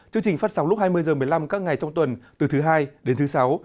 chương trình phát sóng lúc hai mươi h một mươi năm các ngày trong tuần từ thứ hai đến thứ sáu